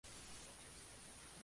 Está unido al puerto de Long Beach.